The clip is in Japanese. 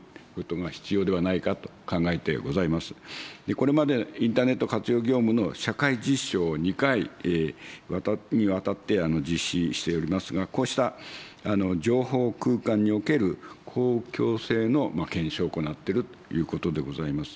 これまでインターネット活用業務の社会実証を２回にわたって実施しておりますが、こうした情報空間における、公共性の検証を行っているということでございます。